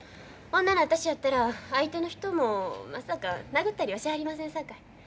女の私やったら相手の人もまさか殴ったりはしはりませんさかい。